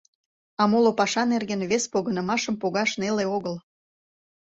А моло паша нерген вес погынымашым погаш неле огыл.